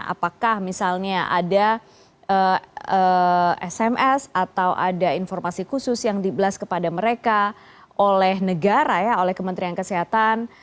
apakah misalnya ada sms atau ada informasi khusus yang diblas kepada mereka oleh negara ya oleh kementerian kesehatan